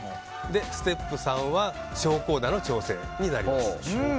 ステップ３は昇降舵の調整になります。